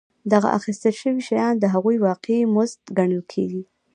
دغه اخیستل شوي شیان د هغوی واقعي مزد ګڼل کېږي